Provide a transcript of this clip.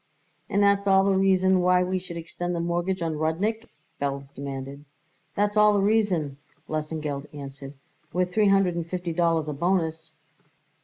"And that's all the reason why we should extend the mortgage on Rudnik?" Belz demanded. "That's all the reason," Lesengeld answered; "with three hundred and fifty dollars a bonus."